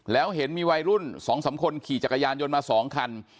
แล้วเห็นมีวัยรุ่น๒๓คนขี่จักรยานยนต์มา๒คัน